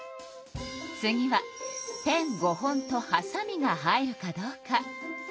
次はペン５本とはさみが入るかどうか。